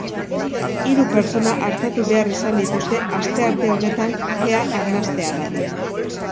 Hiru pertsona artatu behar izan dituzte astearte honetan kea arnasteagatik.